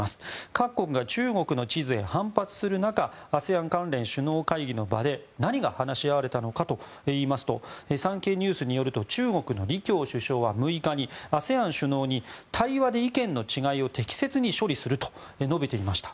各国が中国の地図へ反発する中ＡＳＥＡＮ関連首脳会議の場で何が話し合われたのかといいますと産経ニュースによると中国の李強首相は６日にＡＳＥＡＮ首脳に対話で意見の違いを適切に処理すると述べていました。